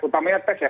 utamanya tes ya